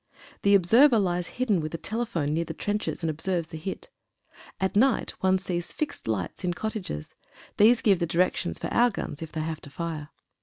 The observer lies hidden with a telephone near the trenches and observes the hit. At night one sees fixed lights in cottages. These give the directions for our guns, if they have to fire.